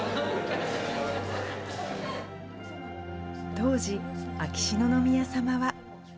当時、秋篠宮さまは。